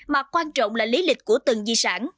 mà quan trọng là lý lịch của từng di sản